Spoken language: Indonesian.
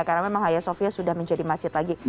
karena memang haya sofia sudah menjadi masjid lagi